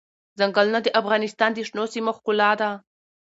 ځنګلونه د افغانستان د شنو سیمو ښکلا ده.